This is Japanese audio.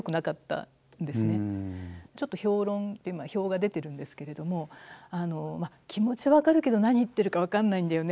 ちょっと評論評が出てるんですけれども「気持ちは分かるけど何言ってるか分かんないんだよね」